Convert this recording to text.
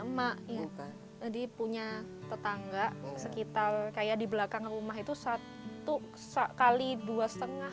emak ibu jadi punya tetangga sekitar kayak di belakang rumah itu satu sekali dua setengah